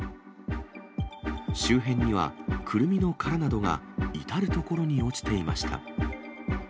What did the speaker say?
周辺には、クルミの殻などが至る所に落ちていました。